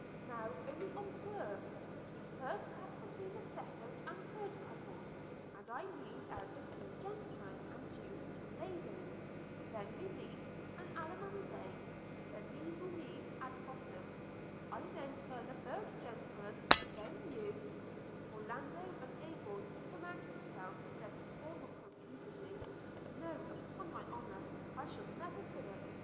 – Now only observe – We first pass between the second and third couples – and I lead out the two gentlemen, and you the two ladies – then meet and allemande – the le moulin at bottom – then I turn the third gentleman – then you –' Orlando, unable to command himself, said, still more confusedly, 'No, upon my honour, I shall never do it.